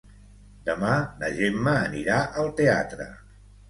Demà na Gemma anirà al teatre.